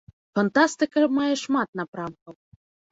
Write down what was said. Фантастыка мае шмат напрамкаў.